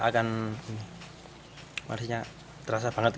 dan manisnya terasa banget